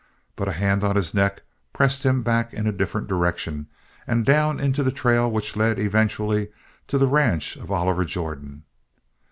But a hand on his neck pressed him back in a different direction and down into the trail which led, eventually, to the ranch of Oliver Jordan.